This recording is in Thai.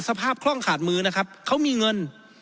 คล่องขาดมือนะครับเขามีเงิน